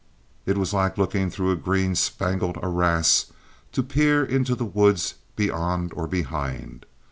It was like looking through a green spangled arras to peer into the woods beyond or behind.